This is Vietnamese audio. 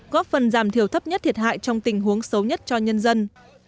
góp phần giảm thiểu thấp nhất thiệt hại trong tình huống xấu nhất cho nhân dân